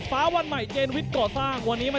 ฟ้าวันใหม่เจนวิทย์ก่อสร้าง